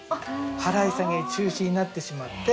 払い下げ中止になってしまって。